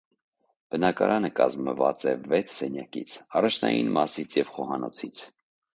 Բնակարանը կազմված է վեց սենյակից, առաջնային մասից և խոհանոցից։